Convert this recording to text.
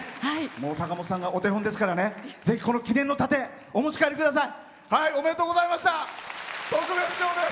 坂本さんがお手本ですからぜひ、この記念の盾お持ち帰りください。